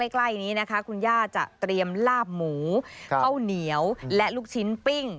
ใกล้นี้นะคะคุณย่าจะเตรียมลาบหมูข้าวเหนียวและลูกชิ้นปิ้ง